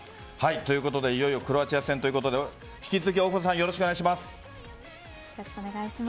ということでいよいよクロアチア戦ということで引き続き大久保さんよろしくお願いします。